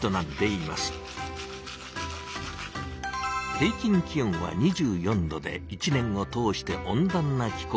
平きん気温は２４℃で１年を通して温暖な気候です。